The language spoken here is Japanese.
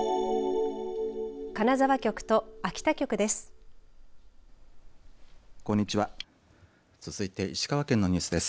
金沢局と秋田局です。